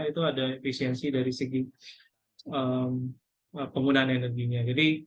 itu ada efisiensi dari segi penggunaan energinya